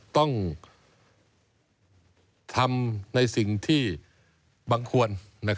ต้องทำในสิ่งที่บังควร